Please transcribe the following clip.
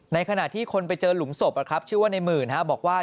ในขณะที่คนไปเจอหลุมศพชื่อว่าในหมื่นบอกว่า